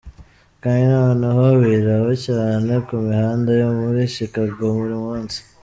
Kandi noneho, biraba cyane ku mihanda yo muri Chicago buri munsi.